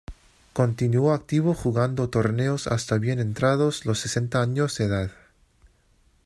Continuó activo jugando torneos hasta bien entrados los sesenta años de edad.